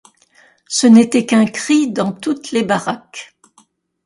Ce n’était qu’un cri dans toutes les baraques.